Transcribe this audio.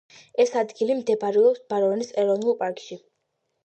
ეს ადგილი მდებარეობს ბარონის ეროვნული პარკში.